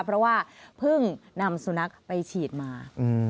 เพราะว่าเพิ่งนำสุนัขไปฉีดมา